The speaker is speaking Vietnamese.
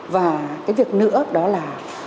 và cái việc nữa đó là